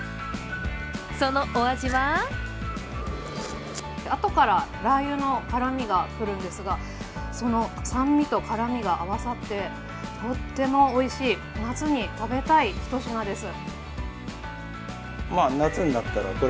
そのお味はあとからラー油の辛みが来るんですが、その酸味と辛みが合わさってとてもおいしい、夏に食べたいひと品です。